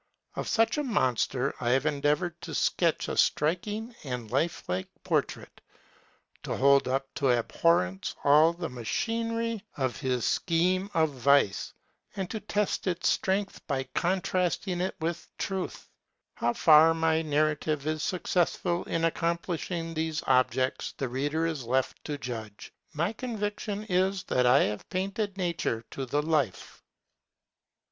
Of such a monster I have endeavored to sketch a striking and lifelike portrait, to hold up to abhorrence all the machinery of his scheme of vice, and to test its strength by contrasting it with truth. How far my narrative is successful in accomplishing these objects the reader is left to judge. My conviction is that I have painted nature to the life.